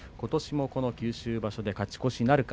九州場所で勝ち越しなるか